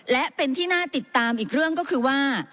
และเป็นที่น่าติดตามอีกเรื่องก็คือว่า